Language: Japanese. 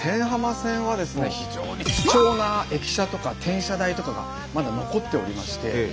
非常に貴重な駅舎とか転車台とかがまだ残っておりまして